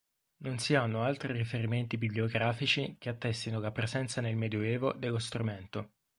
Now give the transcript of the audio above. Non si hanno altri riferimenti bibliografici che attestino la presenza nel medioevo dello strumento.